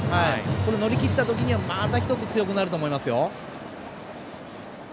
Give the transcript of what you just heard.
これを乗り切った時にはまた１つ、強くなると思います。